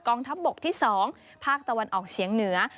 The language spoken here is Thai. งทัพบกที่๒ภาคตะวันออกเฉียงเหนือ